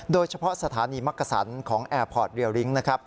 โดยเฉพาะสถานีมักกษันของแอร์พอร์ตเรียลลิ้งนะครับ